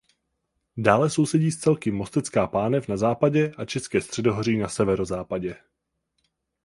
Dále sousedí s celky Mostecká pánev na západě a České středohoří na severozápadě.